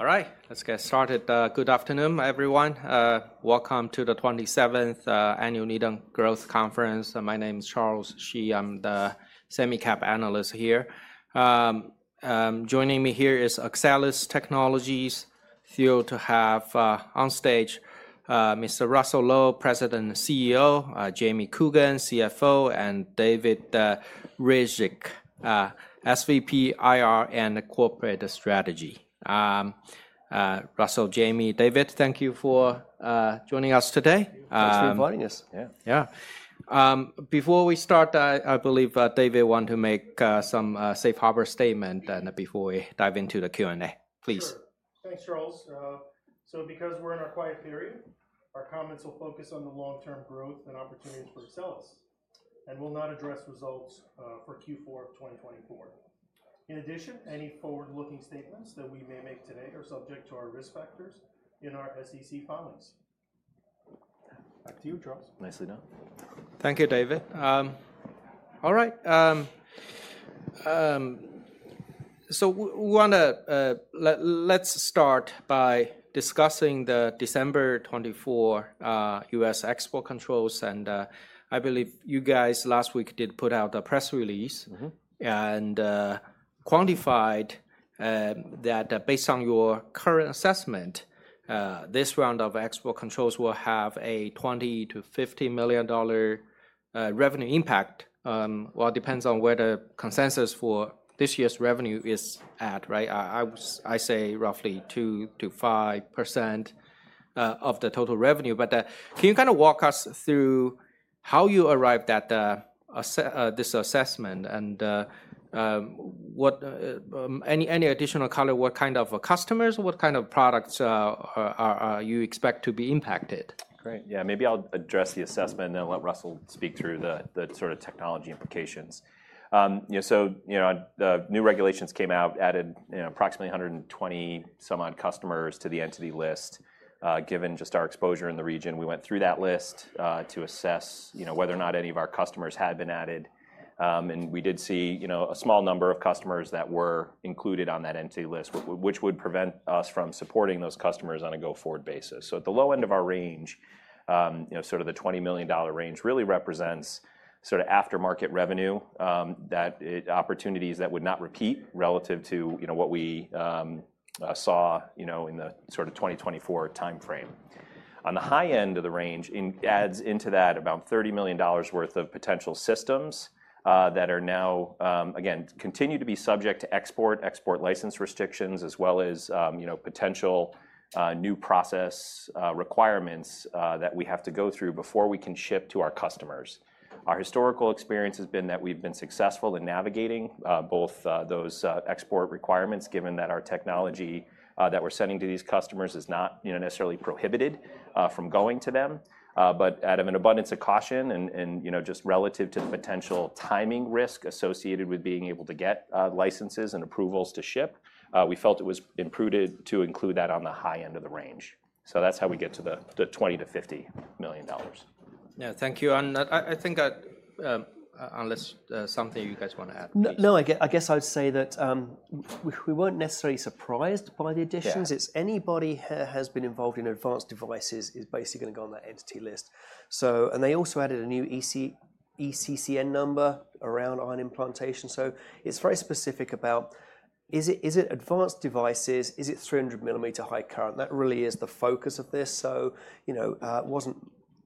All right, let's get started. Good afternoon, everyone. Welcome to the 27th Annual Needham Growth Conference. My name is Charles Shi. I'm the semi-cap analyst here. Joining me here from Axcelis Technologies, thrilled to have on stage Mr. Russell Low, President and CEO, Jamie Coogan, CFO, and David Ryzhik, SVP, IR and Corporate Strategy. Russell, Jamie, David, thank you for joining us today. Thanks for inviting us. Yeah. Before we start, I believe David wanted to make some Safe Harbor statement before we dive into the Q&A. Please. Thanks, Charles. So because we're in our quiet period, our comments will focus on the long-term growth and opportunities for Axcelis, and will not address results for Q4 of 2024. In addition, any forward-looking statements that we may make today are subject to our risk factors in our SEC filings. Back to you, Charles. Nicely done. Thank you, David. All right, so let's start by discussing the December 2024 U.S. export controls, and I believe you guys last week did put out a press release and quantified that based on your current assessment, this round of export controls will have a $20-$50 million revenue impact, well, it depends on where the consensus for this year's revenue is at, right? I say roughly 2%-5% of the total revenue, but can you kind of walk us through how you arrived at this assessment and any additional color, what kind of customers, what kind of products do you expect to be impacted? Great. Yeah, maybe I'll address the assessment and then let Russell speak through the sort of technology implications. So new regulations came out, added approximately 120 some odd customers to the Entity List. Given just our exposure in the region, we went through that list to assess whether or not any of our customers had been added. And we did see a small number of customers that were included on that Entity List, which would prevent us from supporting those customers on a go-forward basis. So at the low end of our range, sort of the $20 million range really represents sort of aftermarket revenue opportunities that would not repeat relative to what we saw in the sort of 2024 timeframe. On the high end of the range, it adds into that about $30 million worth of potential systems that are now, again, continue to be subject to export license restrictions, as well as potential new process requirements that we have to go through before we can ship to our customers. Our historical experience has been that we've been successful in navigating both those export requirements, given that our technology that we're sending to these customers is not necessarily prohibited from going to them. But out of an abundance of caution and just relative to the potential timing risk associated with being able to get licenses and approvals to ship, we felt it was prudent to include that on the high end of the range. So that's how we get to the $20-$50 million. Yeah, thank you, and I think unless something you guys want to add. No, I guess I would say that we weren't necessarily surprised by the additions. It's anybody who has been involved in advanced devices is basically going to go on that Entity List. And they also added a new ECCN number around ion implantation. So it's very specific about is it advanced devices, is it 300 mm high current? That really is the focus of this. So it wasn't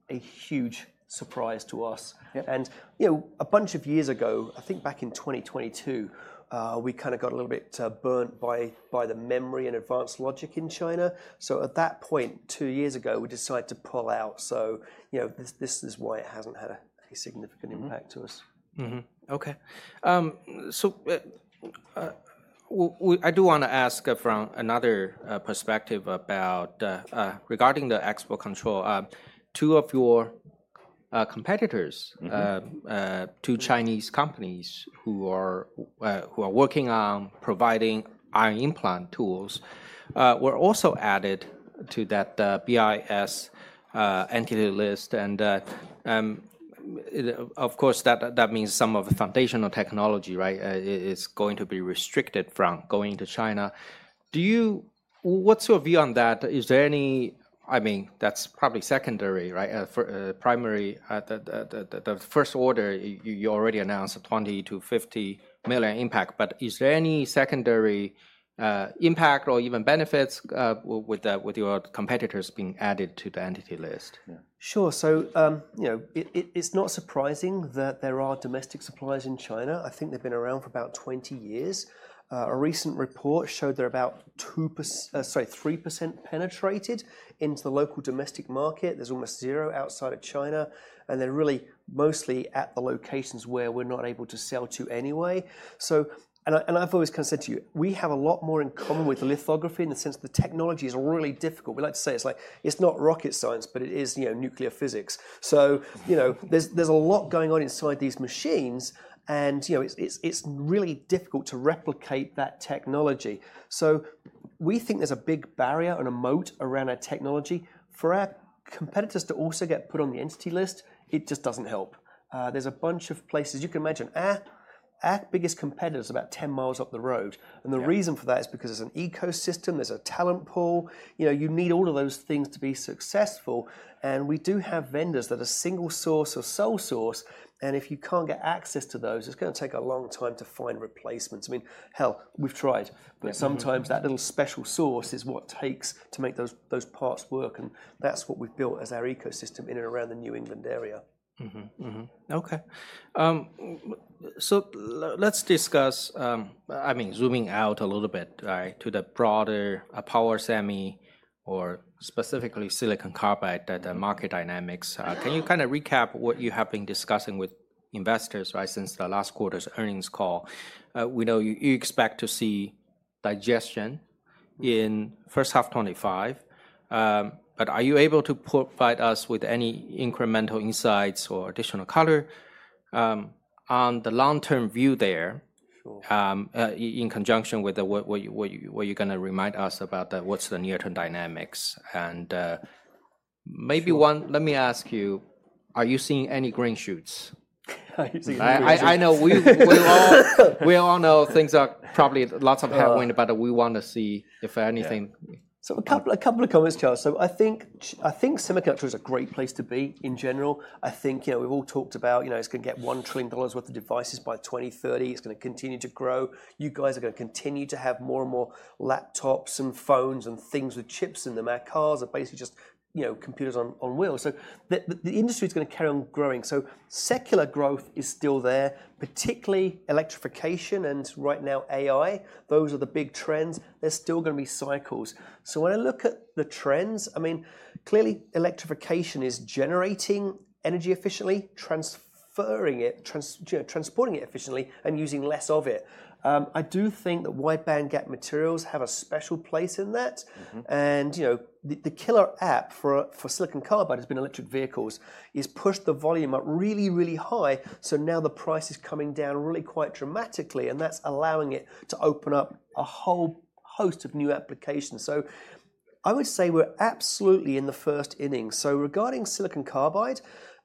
a huge surprise to us. And a bunch of years ago, I think back in 2022, we kind of got a little bit burnt by the memory and Advanced Logic in China. So at that point, two years ago, we decided to pull out. So this is why it hasn't had a significant impact to us. Okay. So I do want to ask from another perspective regarding the export control. Two of your competitors, two Chinese companies who are working on providing ion implant tools, were also added to that BIS Entity List. And of course, that means some of the foundational technology is going to be restricted from going to China. What's your view on that? Is there any, I mean, that's probably secondary, right? Primary, the first order, you already announced a $20-$50 million impact. But is there any secondary impact or even benefits with your competitors being added to the Entity List? Sure. So it's not surprising that there are domestic suppliers in China. I think they've been around for about 20 years. A recent report showed they're about 2%, sorry, 3% penetrated into the local domestic market. There's almost zero outside of China. And they're really mostly at the locations where we're not able to sell to anyway. And I've always kind of said to you, we have a lot more in common with lithography in the sense that the technology is really difficult. We like to say it's like it's not rocket science, but it is nuclear physics. So there's a lot going on inside these machines, and it's really difficult to replicate that technology. So we think there's a big barrier and a moat around our technology. For our competitors to also get put on the Entity List, it just doesn't help. There's a bunch of places you can imagine. Our biggest competitor is about 10 mi up the road. And the reason for that is because there's an ecosystem, there's a talent pool. You need all of those things to be successful. And we do have vendors that are single source or sole source. And if you can't get access to those, it's going to take a long time to find replacements. I mean, hell, we've tried, but sometimes that little special source is what takes to make those parts work. And that's what we've built as our ecosystem in and around the New England area. Okay. So let's discuss, I mean, zooming out a little bit to the broader power semi or specifically Silicon Carbide market dynamics. Can you kind of recap what you have been discussing with investors since the last quarter's earnings call? We know you expect to see digestion in first half 2025. But are you able to provide us with any incremental insights or additional color on the long-term view there in conjunction with what you're going to remind us about what's the near-term dynamics? And maybe one, let me ask you, are you seeing any green shoots? I know we all know things are probably lots of headwind, but we want to see if anything. So a couple of comments, Charles. So I think semiconductor is a great place to be in general. I think we've all talked about it's going to get $1 trillion worth of devices by 2030. It's going to continue to grow. You guys are going to continue to have more and more laptops and phones and things with chips in them. Our cars are basically just computers on wheels. So the industry is going to carry on growing. So secular growth is still there, particularly electrification. And right now, AI, those are the big trends. There's still going to be cycles. So when I look at the trends, I mean, clearly electrification is generating energy efficiently, transferring it, transporting it efficiently, and using less of it. I do think that wide band gap materials have a special place in that. The killer app Silicon Carbide has been electric vehicles. It's pushed the volume up really, really high. Now the price is coming down really quite dramatically. That's allowing it to open up a whole host of new applications. I would say we're absolutely in the first innings. Regarding Silicon Carbide,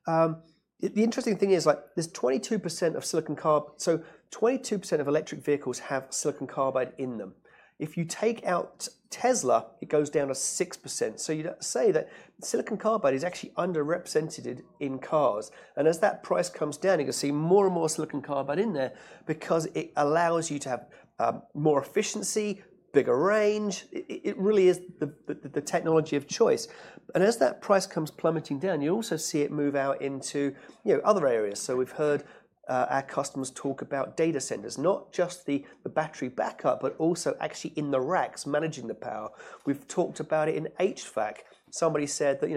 the interesting thing is there's 22% of Silicon Carbide. 22% of electric vehicles Silicon Carbide in them. If you take out Tesla, it goes down to 6%. You say Silicon Carbide is actually underrepresented in cars. As that price comes down, you're going to see more and Silicon Carbide in there because it allows you to have more efficiency, bigger range. It really is the technology of choice. As that price comes plummeting down, you also see it move out into other areas. So we've heard our customers talk about data centers, not just the battery backup, but also actually in the racks managing the power. We've talked about it in HVAC. Somebody said that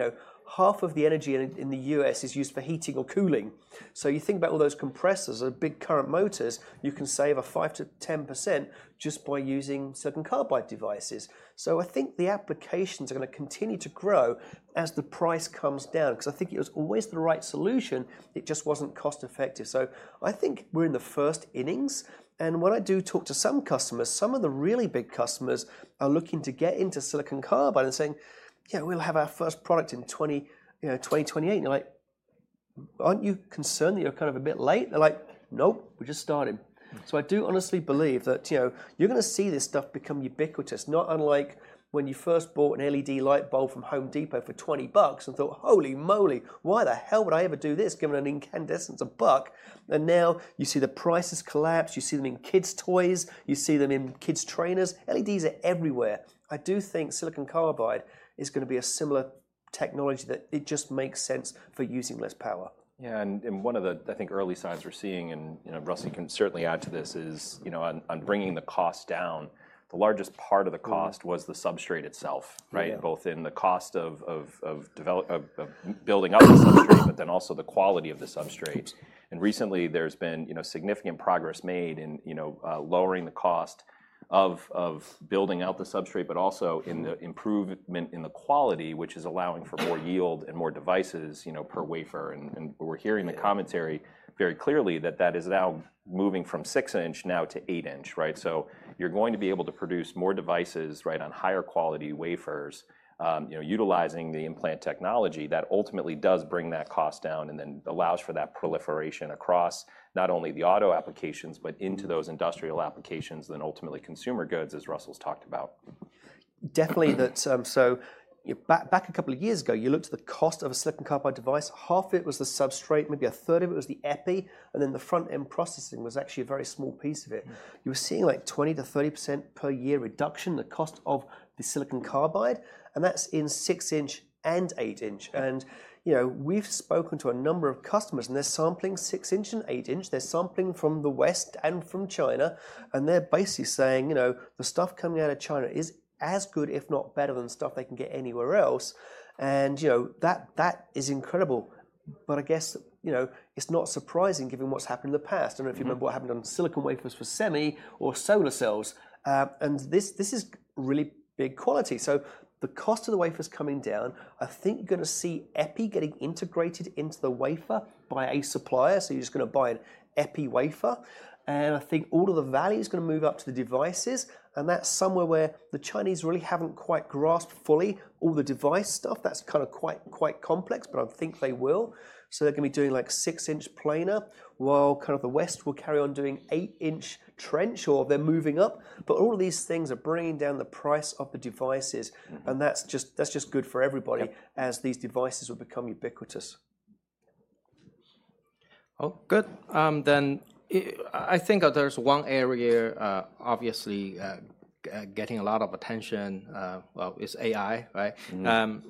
half of the energy in the U.S. is used for heating or cooling. So you think about all those compressors or big current motors, you can save a 5%-10% just by using Silicon Carbide devices. So I think the applications are going to continue to grow as the price comes down because I think it was always the right solution. It just wasn't cost-effective. So I think we're in the first innings. When I do talk to some customers, some of the really big customers are looking to get Silicon Carbide and saying, "Yeah, we'll have our first product in 2028." They're like, "Aren't you concerned that you're kind of a bit late?" They're like, "Nope, we're just starting." So I do honestly believe that you're going to see this stuff become ubiquitous, not unlike when you first bought an LED light bulb from Home Depot for $20 and thought, "Holy moly, why the hell would I ever do this given an incandescent's $1?" Now you see the prices collapse. You see them in kids' toys. You see them in kids' trainers. LEDs are everywhere. I do Silicon Carbide is going to be a similar technology that it just makes sense for using less power. Yeah. And one of the, I think, early signs we're seeing, and Russell can certainly add to this, is on bringing the cost down. The largest part of the cost was the substrate itself, right? Both in the cost of building up the substrate, but then also the quality of the substrate. And recently, there's been significant progress made in lowering the cost of building out the substrate, but also in the improvement in the quality, which is allowing for more yield and more devices per wafer. And we're hearing the commentary very clearly that that is now moving from 6-inch to 8-inch, right? So, you're going to be able to produce more devices on higher quality wafers utilizing the implant technology that ultimately does bring that cost down and then allows for that proliferation across not only the auto applications, but into those industrial applications, then ultimately consumer goods, as Russell's talked about. Definitely. So back a couple of years ago, you looked at the cost of a Silicon Carbide device. Half of it was the substrate, maybe a third of it was the epi, and then the front-end processing was actually a very small piece of it. You were seeing like 20%-30% per year reduction in the cost of the Silicon Carbide. And that's in 6-inch and 8-inch. And we've spoken to a number of customers, and they're sampling 6-inch and 8-inch. They're sampling from the West and from China. And they're basically saying the stuff coming out of China is as good, if not better than stuff they can get anywhere else. And that is incredible. But I guess it's not surprising given what's happened in the past. I don't know if you remember what happened on silicon wafers for semi or solar cells. This is really big quality. So the cost of the wafer is coming down. I think you're going to see EPI getting integrated into the wafer by a supplier. So you're just going to buy an EPI wafer. And I think all of the value is going to move up to the devices. And that's somewhere where the Chinese really haven't quite grasped fully all the device stuff. That's kind of quite complex, but I think they will. So they're going to be doing like 6-inch planar, while kind of the West will carry on doing 8-inch trench or they're moving up. But all of these things are bringing down the price of the devices. And that's just good for everybody as these devices will become ubiquitous. Oh, good, then I think there's one area obviously getting a lot of attention is AI, right,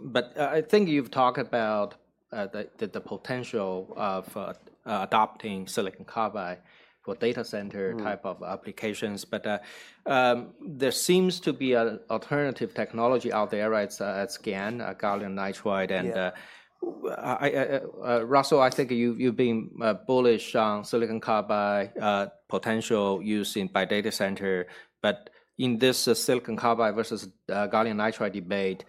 but I think you've talked about the potential of adopting Silicon Carbide for data center type of applications, but there seems to be an alternative technology out there, right? It's GaN, gallium nitride, and Russell, I think you've been bullish on Silicon Carbide potential use by data center, but in this Silicon Carbide versus gallium nitride debate,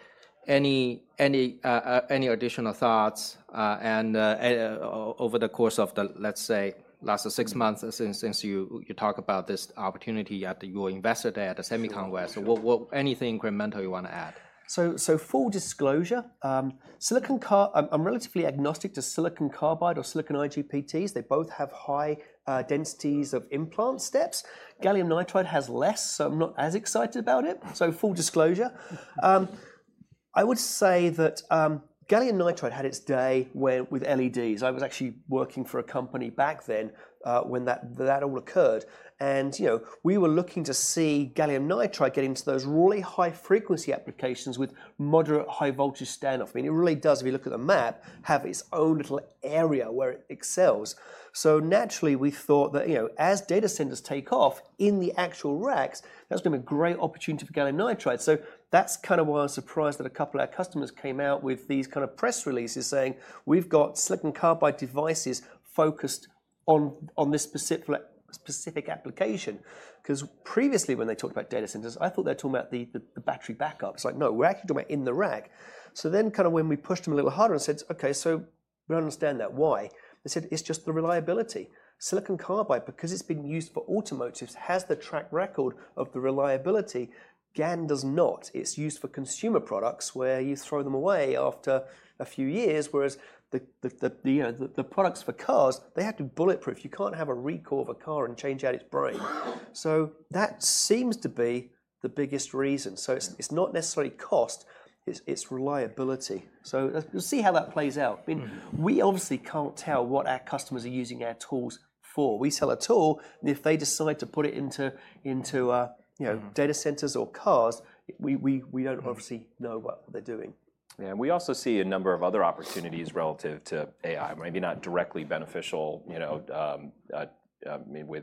any additional thoughts, and over the course of the, let's say, last six months since you talked about this opportunity at your Investor Day at the SEMI Congress, anything incremental you want to add? So full disclosure. I'm relatively agnostic to Silicon Carbide or silicon IGBTs. They both have high densities of implant steps. Gallium nitride has less, so I'm not as excited about it. So full disclosure. I would say that gallium nitride had its day with LEDs. I was actually working for a company back then when that all occurred. And we were looking to see gallium nitride get into those really high-frequency applications with moderate high-voltage standoff. I mean, it really does, if you look at the map, have its own little area where it excels. So naturally, we thought that as data centers take off in the actual racks, that's going to be a great opportunity for gallium nitride. So that's kind of why I'm surprised that a couple of our customers came out with these kind of press releases saying, "We've got Silicon Carbide devices focused on this specific application." Because previously, when they talked about data centers, I thought they were talking about the battery backup. It's like, "No, we're actually talking about in the rack." So then kind of when we pushed them a little harder and said, "Okay, so we understand that. Why?" They said, "It's just the reliability." Silicon Carbide, because it's been used for automotives, has the track record of the reliability. GaN does not. It's used for consumer products where you throw them away after a few years, whereas the products for cars, they have to be bulletproof. You can't have a recall of a car and change out its brain. So that seems to be the biggest reason. So it's not necessarily cost. It's reliability. So we'll see how that plays out. I mean, we obviously can't tell what our customers are using our tools for. We sell a tool, and if they decide to put it into data centers or cars, we don't obviously know what they're doing. Yeah. And we also see a number of other opportunities relative to AI, maybe not directly beneficial with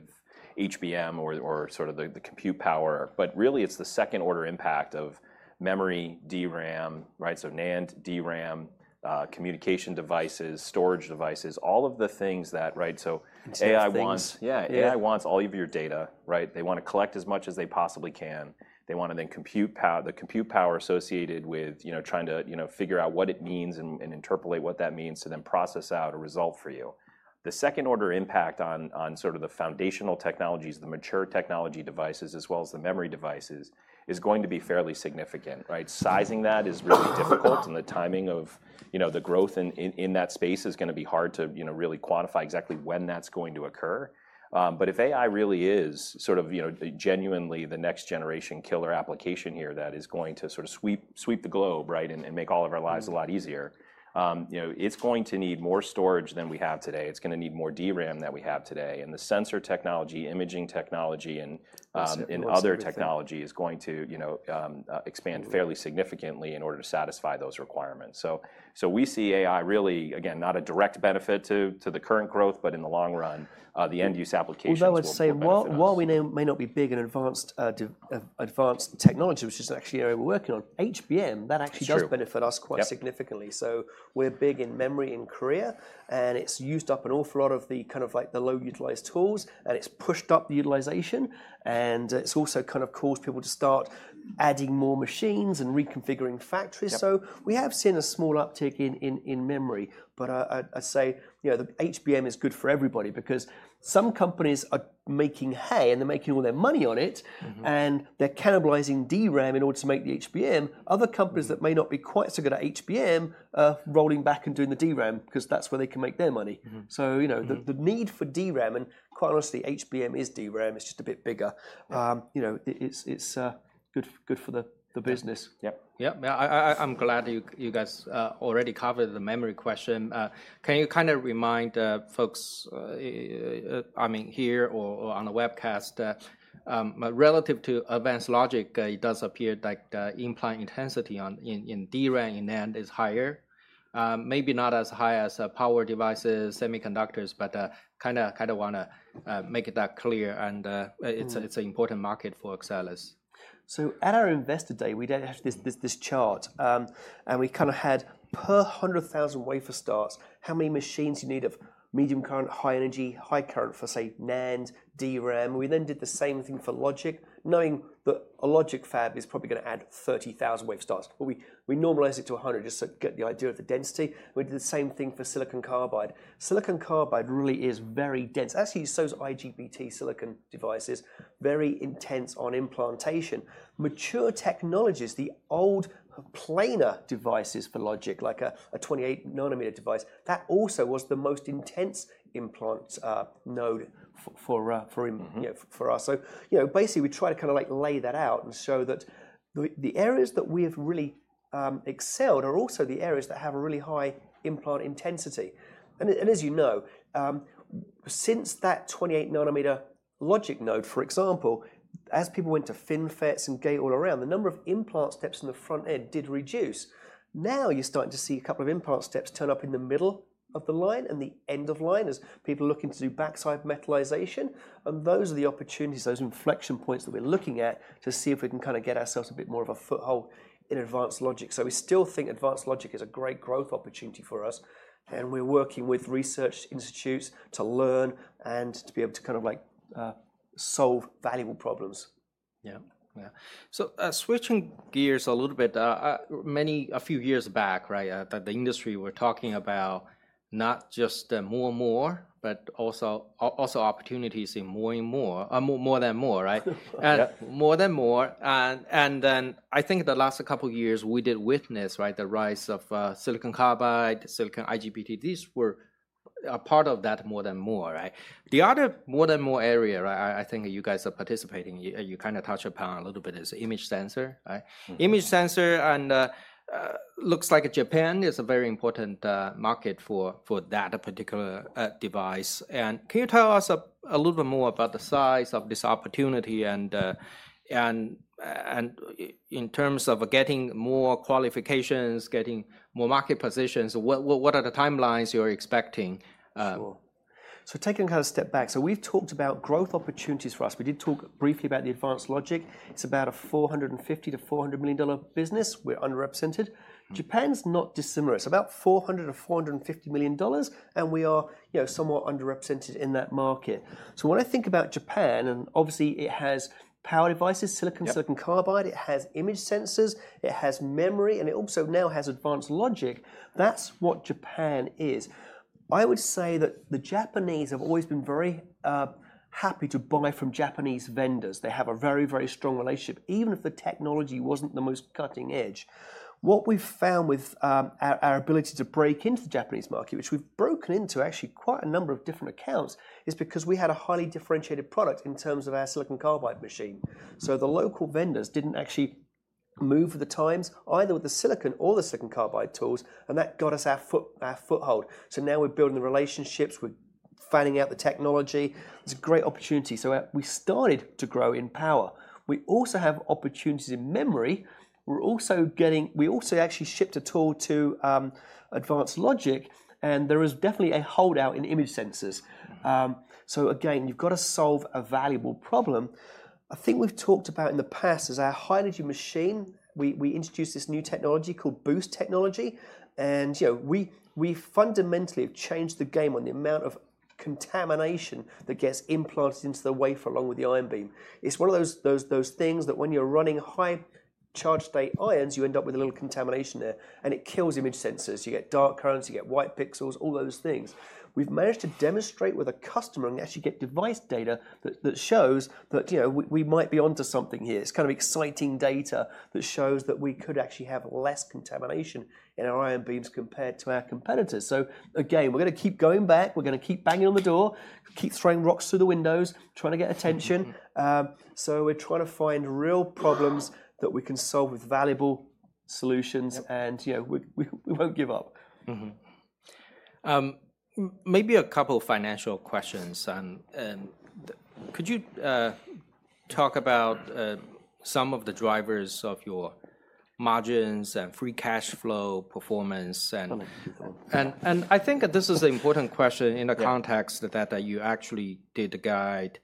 HBM or sort of the compute power, but really it's the second-order impact of memory, DRAM, right? So NAND, DRAM, communication devices, storage devices, all of the things that, right? So AI wants. SSDs. Yeah. AI wants all of your data, right? They want to collect as much as they possibly can. They want to then compute the compute power associated with trying to figure out what it means and interpolate what that means to then process out a result for you. The second-order impact on sort of the foundational technologies, the mature technology devices, as well as the memory devices, is going to be fairly significant, right? Sizing that is really difficult, and the timing of the growth in that space is going to be hard to really quantify exactly when that's going to occur. But if AI really is sort of genuinely the next-generation killer application here that is going to sort of sweep the globe, right, and make all of our lives a lot easier, it's going to need more storage than we have today. It's going to need more DRAM than we have today. And the sensor technology, imaging technology, and other technology is going to expand fairly significantly in order to satisfy those requirements. So we see AI really, again, not a direct benefit to the current growth, but in the long run, the end-use applications. While we know it may not be big in advanced technology, which is actually an area we're working on, HBM, that actually does benefit us quite significantly. So we're big in memory in Korea, and it's used up an awful lot of the kind of like the low-utilized tools, and it's pushed up the utilization. And it's also kind of caused people to start adding more machines and reconfiguring factories. So we have seen a small uptick in memory. But I'd say HBM is good for everybody because some companies are making hay, and they're making all their money on it, and they're cannibalizing DRAM in order to make the HBM. Other companies that may not be quite so good at HBM are rolling back and doing the DRAM because that's where they can make their money. So the need for DRAM, and quite honestly, HBM is DRAM. It's just a bit bigger. It's good for the business. Yep. Yep. I'm glad you guys already covered the memory question. Can you kind of remind folks, I mean, here or on a webcast, relative to advanced logic, it does appear that implant intensity in DRAM and NAND is higher. Maybe not as high as power devices, semiconductors, but kind of want to make that clear. And it's an important market for Axcelis. So at our investor day, we did have this chart. And we kind of had per 100,000 wafer starts, how many machines you need of medium current, high energy, high current for, say, NAND, DRAM. We then did the same thing for logic, knowing that a logic fab is probably going to add 30,000 wafer starts. But we normalized it to 100 just to get the idea of the density. We did the same thing for Silicon Carbide. Silicon Carbide really is very dense. Actually, it shows IGBT silicon devices very intense on implantation. Mature technologies, the old planar devices for logic, like a 28-nanometer device, that also was the most intense implant node for us. So basically, we try to kind of lay that out and show that the areas that we have really excelled are also the areas that have a really high implant intensity. And as you know, since that 28-nanometer logic node, for example, as people went to FinFETs and gate all around, the number of implant steps in the front end did reduce. Now you're starting to see a couple of implant steps turn up in the middle of the line and the end of line as people are looking to do backside metallization. And those are the opportunities, those inflection points that we're looking at to see if we can kind of get ourselves a bit more of a foothold in advanced logic. So we still think advanced logic is a great growth opportunity for us. And we're working with research institutes to learn and to be able to kind of solve valuable problems. Yeah. Yeah. So switching gears a little bit, a few years back, right, the industry we're talking about, not just more and more, but also opportunities in more and more, More than Moore, right? More than Moore. And then I think the last couple of years, we did witness, right, the rise of Silicon Carbide, SiC IGBT. These were a part of that More than Moore, right? The other More than Moore area, right, I think you guys are participating, you kind of touched upon a little bit is image sensor, right? Image sensor looks like Japan is a very important market for that particular device. And can you tell us a little bit more about the size of this opportunity and in terms of getting more qualifications, getting more market positions? What are the timelines you're expecting? Taking a kind of step back, so we've talked about growth opportunities for us. We did talk briefly about the advanced logic. It's about a $450 million-$400 million business. We're underrepresented. Japan's not dissimilar. It's about $400 million-$450 million, and we are somewhat underrepresented in that market. So when I think about Japan, and obviously it has power devices, silicon, Silicon Carbide, it has image sensors, it has memory, and it also now has advanced logic, that's what Japan is. I would say that the Japanese have always been very happy to buy from Japanese vendors. They have a very, very strong relationship, even if the technology wasn't the most cutting edge. What we've found with our ability to break into the Japanese market, which we've broken into actually quite a number of different accounts, is because we had a highly differentiated product in terms of our Silicon Carbide machine. So the local vendors didn't actually move for the times, either with the silicon or the Silicon Carbide tools, and that got us our foothold. So now we're building the relationships. We're fanning out the technology. It's a great opportunity. So we started to grow in power. We also have opportunities in memory. We also actually shipped a tool to Advanced Logic, and there is definitely a holdout in image sensors. So again, you've got to solve a valuable problem. I think we've talked about in the past is our high-energy machine. We introduced this new technology called Boost technology. We fundamentally have changed the game on the amount of contamination that gets implanted into the wafer along with the ion beam. It's one of those things that when you're running high charge state ions, you end up with a little contamination there, and it kills image sensors. You get dark currents, you get white pixels, all those things. We've managed to demonstrate with a customer and actually get device data that shows that we might be onto something here. It's kind of exciting data that shows that we could actually have less contamination in our ion beams compared to our competitors. Again, we're going to keep going back. We're going to keep banging on the door, keep throwing rocks through the windows, trying to get attention. We're trying to find real problems that we can solve with valuable solutions, and we won't give up. Maybe a couple of financial questions. Could you talk about some of the drivers of your margins and free cash flow performance? I think this is an important question in the context that you actually did guide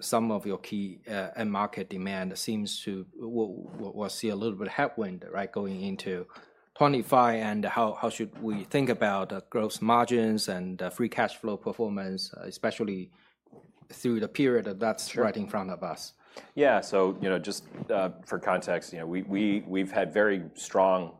some of your key market demand. It seems we'll see a little bit of headwind, right, going into 2025, and how should we think about gross margins and free cash flow performance, especially through the period that's right in front of us? Yeah, so just for context, we've had very strong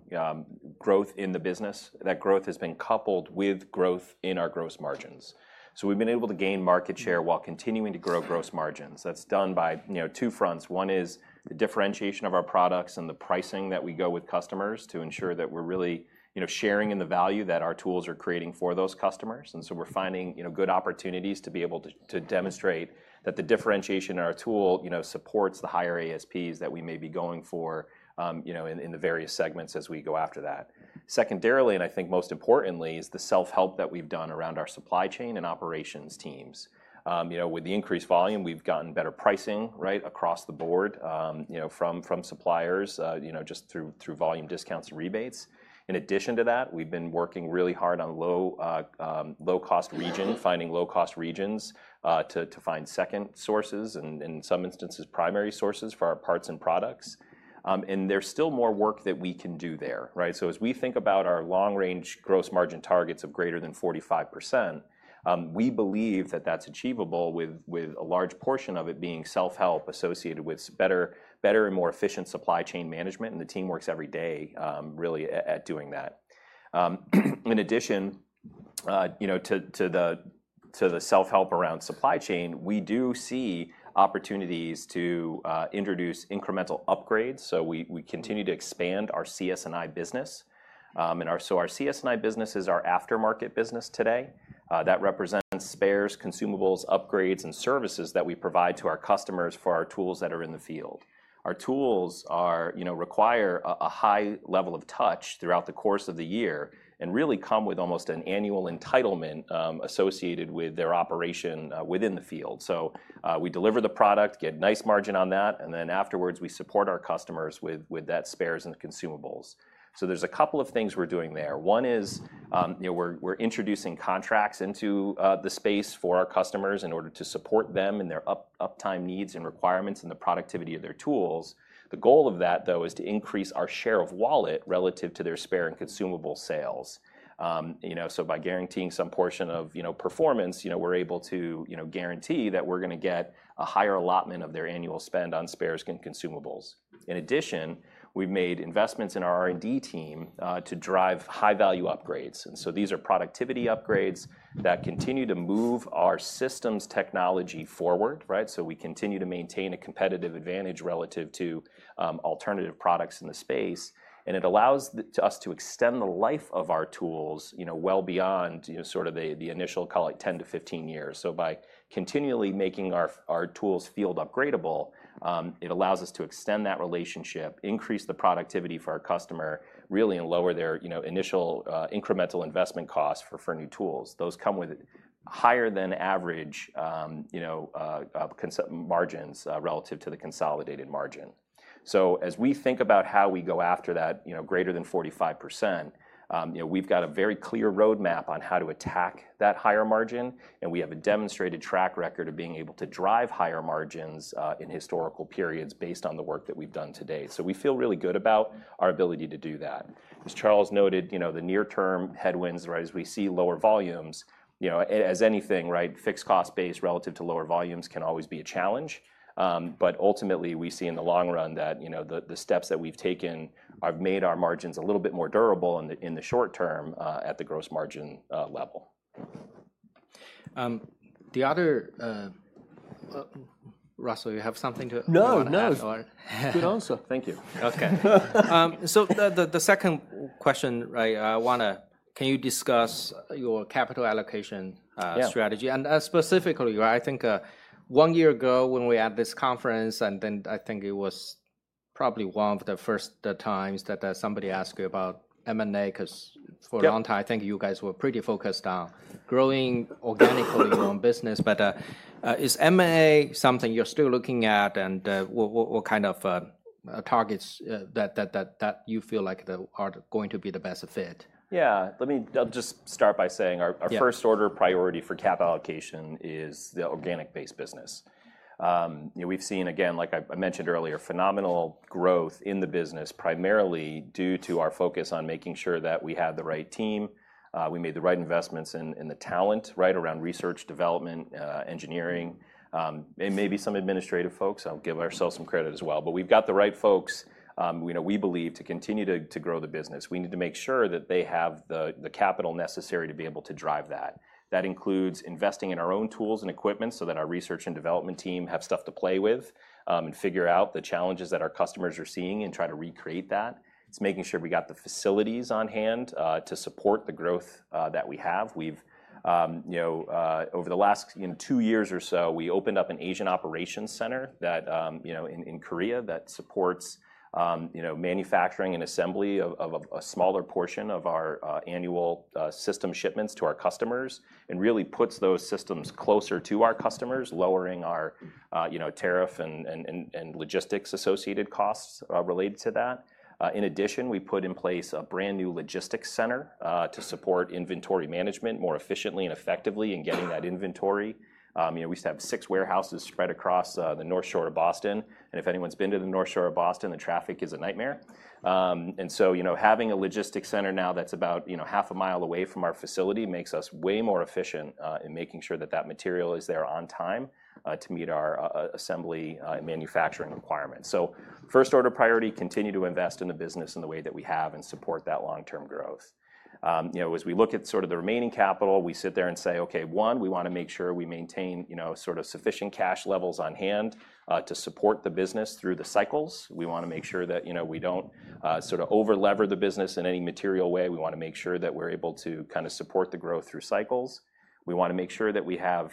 growth in the business. That growth has been coupled with growth in our gross margins, so we've been able to gain market share while continuing to grow gross margins. That's done by two fronts. One is the differentiation of our products and the pricing that we go with customers to ensure that we're really sharing in the value that our tools are creating for those customers, and so we're finding good opportunities to be able to demonstrate that the differentiation in our tool supports the higher ASPs that we may be going for in the various segments as we go after that. Secondarily, and I think most importantly, is the self-help that we've done around our supply chain and operations teams. With the increased volume, we've gotten better pricing, right, across the board from suppliers just through volume discounts and rebates. In addition to that, we've been working really hard on low-cost regions, finding low-cost regions to find second sources and in some instances primary sources for our parts and products. And there's still more work that we can do there, right? So as we think about our long-range gross margin targets of greater than 45%, we believe that that's achievable with a large portion of it being self-help associated with better and more efficient supply chain management. And the team works every day really at doing that. In addition to the self-help around supply chain, we do see opportunities to introduce incremental upgrades. So we continue to expand our CS&I business. And so our CS&I business is our aftermarket business today. That represents spares, consumables, upgrades, and services that we provide to our customers for our tools that are in the field. Our tools require a high level of touch throughout the course of the year and really come with almost an annual entitlement associated with their operation within the field. So we deliver the product, get nice margin on that, and then afterwards we support our customers with that spares and consumables. So there's a couple of things we're doing there. One is we're introducing contracts into the space for our customers in order to support them in their uptime needs and requirements and the productivity of their tools. The goal of that, though, is to increase our share of wallet relative to their spare and consumable sales. So by guaranteeing some portion of performance, we're able to guarantee that we're going to get a higher allotment of their annual spend on spares and consumables. In addition, we've made investments in our R&D team to drive high-value upgrades. And so these are productivity upgrades that continue to move our systems technology forward, right? So we continue to maintain a competitive advantage relative to alternative products in the space. And it allows us to extend the life of our tools well beyond sort of the initial, call it 10 to 15 years. So by continually making our tools field upgradable, it allows us to extend that relationship, increase the productivity for our customer, really lower their initial incremental investment costs for new tools. Those come with higher than average margins relative to the consolidated margin. So as we think about how we go after that greater than 45%, we've got a very clear roadmap on how to attack that higher margin. And we have a demonstrated track record of being able to drive higher margins in historical periods based on the work that we've done today. So we feel really good about our ability to do that. As Charles noted, the near-term headwinds, right, as we see lower volumes, as with anything, right, fixed cost base relative to lower volumes can always be a challenge. But ultimately, we see in the long run that the steps that we've taken have made our margins a little bit more durable in the short term at the gross margin level. The other, Russell, you have something to add? No, no. Good answer. Thank you. Okay. The second question, right? Can you discuss your capital allocation strategy? Specifically, I think one year ago when we had this conference, and then I think it was probably one of the first times that somebody asked you about M&A because for a long time, I think you guys were pretty focused on growing organically your own business. Is M&A something you're still looking at, and what kind of targets that you feel like are going to be the best fit? Yeah. Let me just start by saying our first order of priority for cap allocation is the organic-based business. We've seen, again, like I mentioned earlier, phenomenal growth in the business primarily due to our focus on making sure that we have the right team, we made the right investments in the talent, right, around research, development, engineering, and maybe some administrative folks. I'll give ourselves some credit as well. But we've got the right folks, we believe, to continue to grow the business. We need to make sure that they have the capital necessary to be able to drive that. That includes investing in our own tools and equipment so that our research and development team have stuff to play with and figure out the challenges that our customers are seeing and try to recreate that. It's making sure we got the facilities on hand to support the growth that we have. Over the last two years or so, we opened up an Asian operations center in Korea that supports manufacturing and assembly of a smaller portion of our annual system shipments to our customers and really puts those systems closer to our customers, lowering our tariff and logistics associated costs related to that. In addition, we put in place a brand new logistics center to support inventory management more efficiently and effectively in getting that inventory. We used to have six warehouses spread across the North Shore of Boston, and if anyone's been to the North Shore of Boston, the traffic is a nightmare. And so having a logistics center now that's about half a mile away from our facility makes us way more efficient in making sure that that material is there on time to meet our assembly and manufacturing requirements. So first order priority, continue to invest in the business in the way that we have and support that long-term growth. As we look at sort of the remaining capital, we sit there and say, okay, one, we want to make sure we maintain sort of sufficient cash levels on hand to support the business through the cycles. We want to make sure that we don't sort of over-lever the business in any material way. We want to make sure that we're able to kind of support the growth through cycles. We want to make sure that we have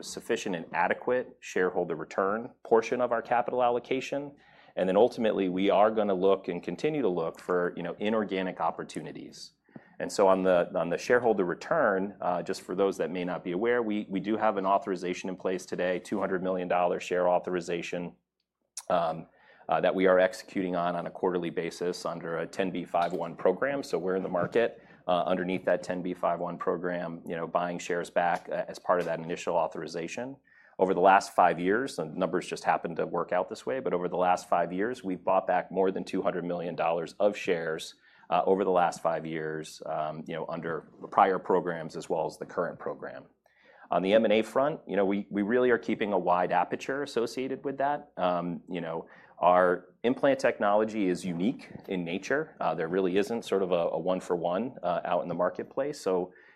sufficient and adequate shareholder return portion of our capital allocation. And then ultimately, we are going to look and continue to look for inorganic opportunities. And so on the shareholder return, just for those that may not be aware, we do have an authorization in place today, $200 million share authorization that we are executing on a quarterly basis under a 10B5-1 program. So we're in the market underneath that 10b5-1 program, buying shares back as part of that initial authorization. Over the last five years, the numbers just happened to work out this way, but over the last five years, we've bought back more than $200 million of shares over the last five years under prior programs as well as the current program. On the M&A front, we really are keeping a wide aperture associated with that. Our implant technology is unique in nature. There really isn't sort of a one-for-one out in the marketplace.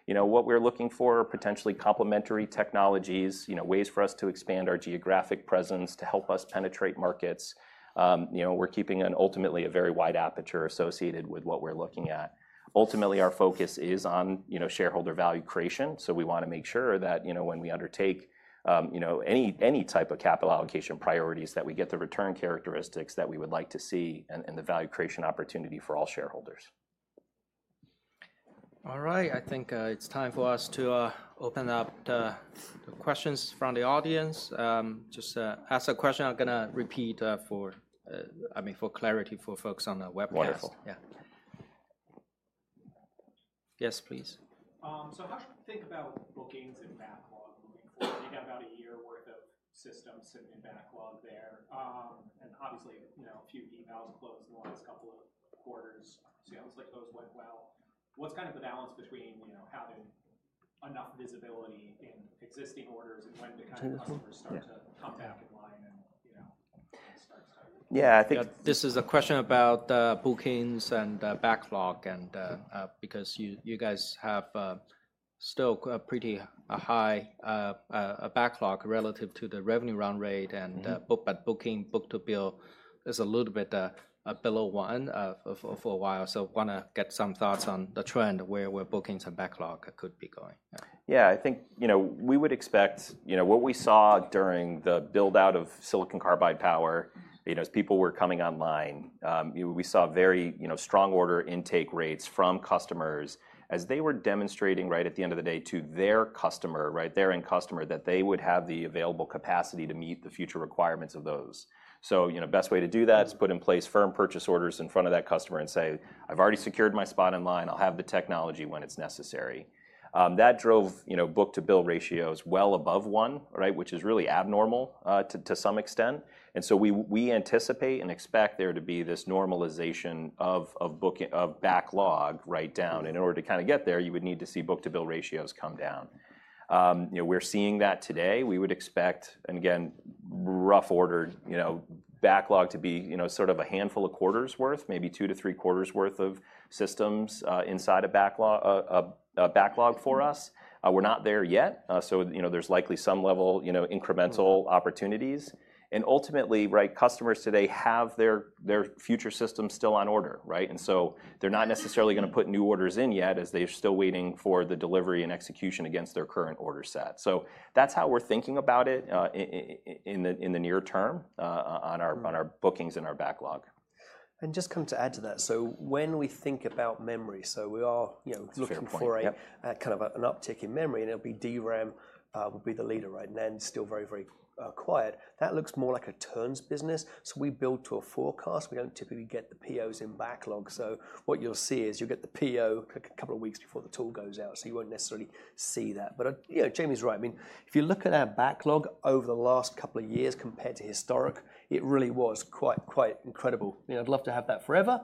What we're looking for are potentially complementary technologies, ways for us to expand our geographic presence to help us penetrate markets. We're keeping ultimately a very wide aperture associated with what we're looking at. Ultimately, our focus is on shareholder value creation. We want to make sure that when we undertake any type of capital allocation priorities that we get the return characteristics that we would like to see and the value creation opportunity for all shareholders. All right. I think it's time for us to open up the questions from the audience. Just ask a question. I'm going to repeat for clarity for folks on the webcast. Wonderful. Yeah. Yes, please. It sounds like those went well. What's kind of the balance between having enough visibility in existing orders and when do customers start to come back in line and start starting? Yeah. I think this is a question about bookings and backlog because you guys have still a pretty high backlog relative to the revenue run rate. And book-to-bill is a little bit below one for a while. So I want to get some thoughts on the trend where bookings and backlog could be going. Yeah. I think we would expect what we saw during the build-out of silicon Carbide power as people were coming online. We saw very strong order intake rates from customers as they were demonstrating right at the end of the day to their customer, right, their end customer, that they would have the available capacity to meet the future requirements of those. So the best way to do that is put in place firm purchase orders in front of that customer and say, "I've already secured my spot in line. I'll have the technology when it's necessary." That drove book-to-bill ratios well above one, right, which is really abnormal to some extent. And so we anticipate and expect there to be this normalization of backlog right down. In order to kind of get there, you would need to see book-to-bill ratios come down. We're seeing that today. We would expect, and again, rough order backlog to be sort of a handful of quarters' worth, maybe two to three quarters' worth of systems inside a backlog for us. We're not there yet. So there's likely some level incremental opportunities. And ultimately, right, customers today have their future systems still on order, right? And so they're not necessarily going to put new orders in yet as they're still waiting for the delivery and execution against their current order set. So that's how we're thinking about it in the near term on our bookings and our backlog. Just to add to that. When we think about memory, we are looking for kind of an uptick in memory, and it'll be DRAM will be the leader, right? Still very, very quiet. That looks more like a turns business. We build to a forecast. We don't typically get the POs in backlog. What you'll see is you'll get the PO a couple of weeks before the tool goes out. You won't necessarily see that, but Jamie's right. I mean, if you look at our backlog over the last couple of years compared to historic, it really was quite incredible. I'd love to have that forever.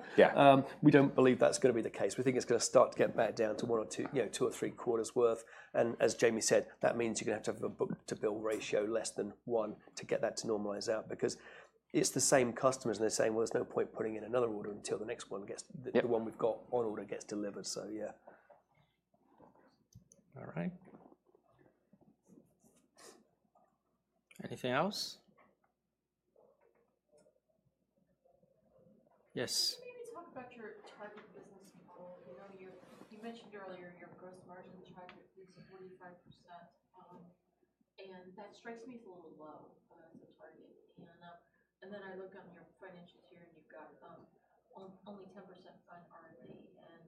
We don't believe that's going to be the case. We think it's going to start to get back down to one or two or three quarters' worth. As Jamie said, that means you're going to have to have a book-to-bill ratio less than one to get that to normalize out because it's the same customers. They're saying, "Well, there's no point putting in another order until the one we've got on order gets delivered." Yeah. All right. Anything else? Yes. Maybe talk about your target business goal. You mentioned earlier your gross margin target is 45%, and that strikes me as a little low as a target, and then I look on your financials here, and you've got only 10% on R&D, and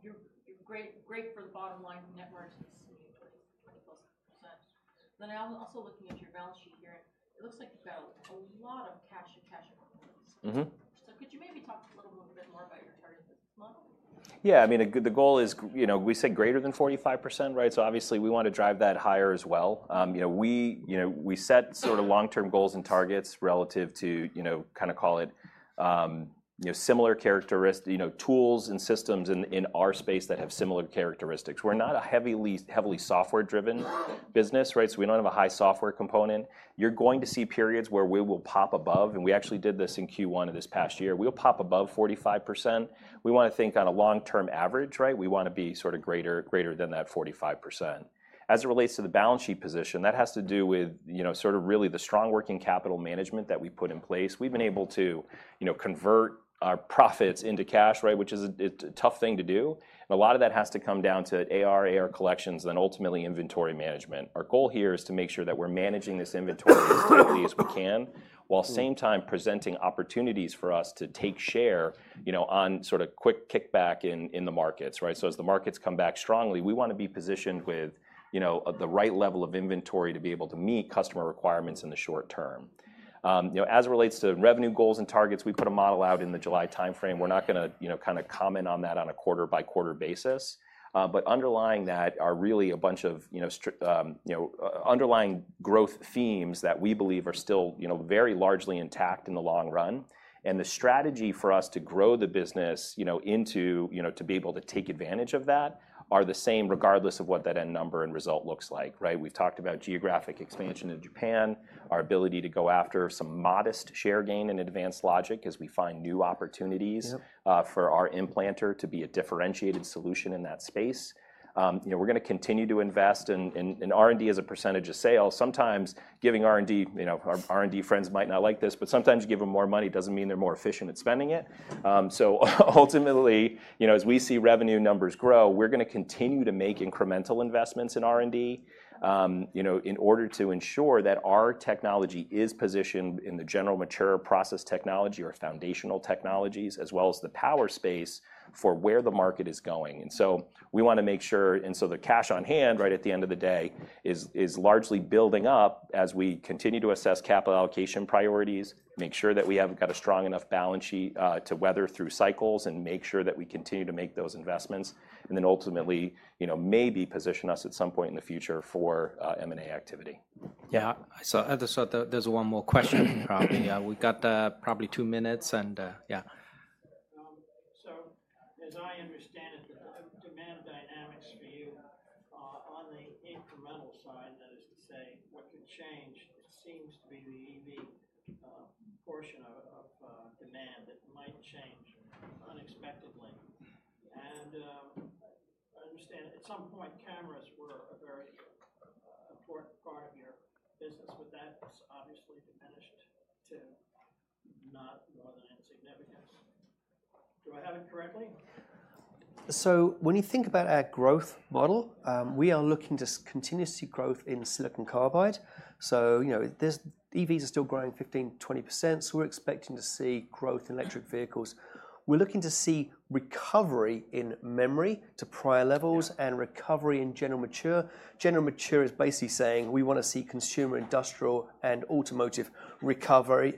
you're great for the bottom line net worth in the 20%+, then I'm also looking at your balance sheet here, Yeah. I mean, the goal is we said greater than 45%, right? So obviously, we want to drive that higher as well. We set sort of long-term goals and targets relative to kind of call it similar characteristic tools and systems in our space that have similar characteristics. We're not a heavily software-driven business, right? So we don't have a high software component. You're going to see periods where we will pop above. And we actually did this in Q1 of this past year. We'll pop above 45%. We want to think on a long-term average, right? We want to be sort of greater than that 45%. As it relates to the balance sheet position, that has to do with sort of really the strong working capital management that we put in place. We've been able to convert our profits into cash, right, which is a tough thing to do. A lot of that has to come down to AR, AR collections, and then ultimately inventory management. Our goal here is to make sure that we're managing this inventory as cleanly as we can while at the same time presenting opportunities for us to take share on sort of quick kickback in the markets, right? So as the markets come back strongly, we want to be positioned with the right level of inventory to be able to meet customer requirements in the short term. As it relates to revenue goals and targets, we put a model out in the July timeframe. We're not going to kind of comment on that on a quarter-by-quarter basis. But underlying that are really a bunch of underlying growth themes that we believe are still very largely intact in the long run. The strategy for us to grow the business to be able to take advantage of that are the same regardless of what that end number and result looks like, right? We've talked about geographic expansion in Japan, our ability to go after some modest share gain and advanced logic as we find new opportunities for our implanter to be a differentiated solution in that space. We're going to continue to invest in R&D as a percentage of sales. Sometimes giving R&D, our R&D friends might not like this, but sometimes giving them more money doesn't mean they're more efficient at spending it. So ultimately, as we see revenue numbers grow, we're going to continue to make incremental investments in R&D in order to ensure that our technology is positioned in the general mature process technology or foundational technologies as well as the power space for where the market is going. And so we want to make sure. And so the cash on hand right at the end of the day is largely building up as we continue to assess capital allocation priorities, make sure that we have got a strong enough balance sheet to weather through cycles and make sure that we continue to make those investments, and then ultimately maybe position us at some point in the future for M&A activity. Yeah. So there's one more question, probably. We've got probably two minutes. And yeah. So as I understand it, the demand dynamics for you on the incremental side, that is to say, what could change, it seems to be the EV portion of demand that might change unexpectedly. And I understand at some point, cameras were a very important part of your business, but that's obviously When you think about our growth model, we are looking to continuously growth in Silicon Carbide. EVs are still growing 15%-20%. We're expecting to see growth in electric vehicles. We're looking to see recovery in memory to prior levels and recovery in general mature. General mature is basically saying we want to see consumer, industrial, and automotive recover.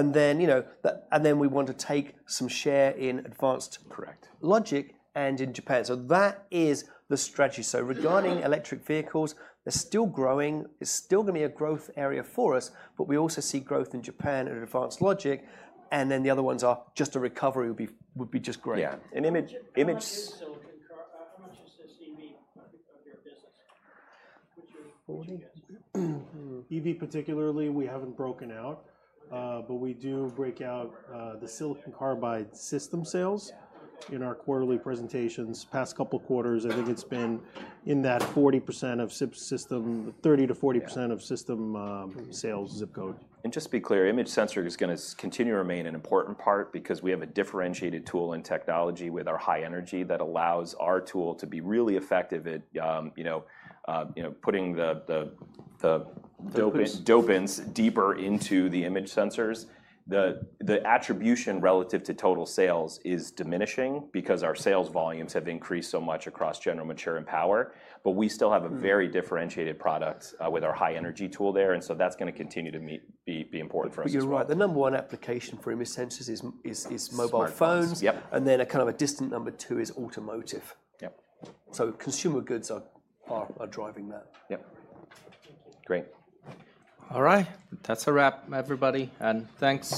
Then we want to take some share in advanced. Correct. Logic and in Japan. So that is the strategy. So regarding electric vehicles, they're still growing. It's still going to be a growth area for us, but we also see growth in Japan and advanced logic. And then the other ones are just a recovery would be just great. Yeah. And image. How much is this EV of your business? EV particularly, we haven't broken out, but we do break out Silicon Carbide system sales in our quarterly presentations. Past couple of quarters, I think it's been in that 40% of system 30%-40% of system sales zip code. And just to be clear, image sensor is going to continue to remain an important part because we have a differentiated tool and technology with our high energy that allows our tool to be really effective at putting the. Doping. Doping's deeper into the image sensors. The contribution relative to total sales is diminishing because our sales volumes have increased so much across general, mature, and power, but we still have a very differentiated product with our high energy tool there, and so that's going to continue to be important for us too. You're right. The number one application for image sensors is mobile phones. Mobile phones, yep. Kind of a distant number two is automotive. Yep. So consumer goods are driving that. Yep. Great. All right. That's a wrap, everybody, and thanks.